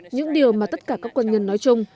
những điều mà tất cả các quân nhân nói chung